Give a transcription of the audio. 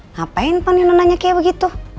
ngapain paninu nanya kayak begitu